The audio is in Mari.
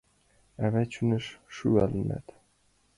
Ава чоныш шӱвалынат!»